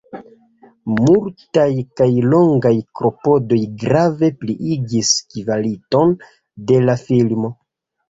Multaj kaj longaj klopodoj grave pliigis kvaliton de la filmo.